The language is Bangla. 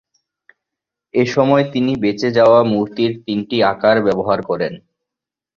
এসময় তিনি বেঁচে যাওয়া মূর্তির তিনটি আকার ব্যবহার করেন।